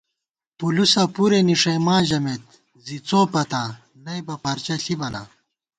پُلُسہ پُرےنِݭَئی ماں ژَمېت زی څو پتاں نئیبہ پرچہ ݪِبہ نا